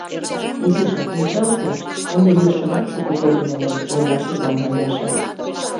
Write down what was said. — Изишак вучалте, ынде йӧршынат шуко кодын огыл, — ойла тудлан Маняша.